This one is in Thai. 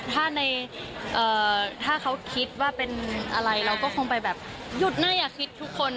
ถ้าในถ้าเขาคิดว่าเป็นอะไรเราก็คงไปแบบหยุดนะอย่าคิดทุกคน